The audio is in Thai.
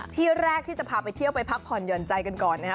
ที่แรกที่จะพาไปเที่ยวไปพักผ่อนหย่อนใจกันก่อนนะครับ